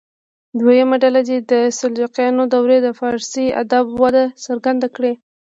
دویمه ډله دې د سلجوقیانو دورې د فارسي ادب وده څرګنده کړي.